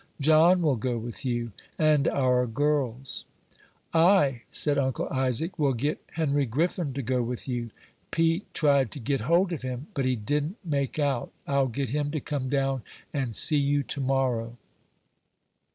"John will go with you, and our girls." "I," said Uncle Isaac, "will get Henry Griffin to go with you. Pete tried to get hold of him, but he didn't make out. I'll get him to come down and see you to morrow."